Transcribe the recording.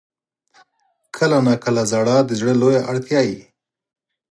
• کله ناکله ژړا د زړه لویه اړتیا وي.